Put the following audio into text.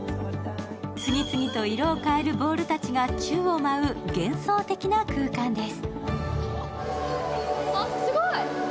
次々と色を変えるボールたちが宙を舞う幻想的な空間です。